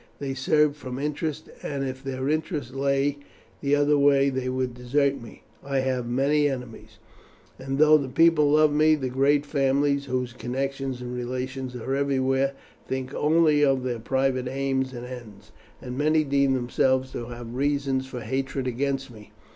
They serve from interest, and if their interest lay the other way they would desert me. I have many enemies, and though the people love me, the great families, whose connections and relations are everywhere, think only of their private aims and ends, and many deem themselves to have reasons for hatred against me.